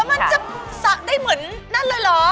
มันจะสักได้เหมือนนั่นเลยเหรอ